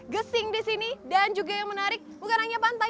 gesing di sini dan juga yang menarik bukan hanya pantai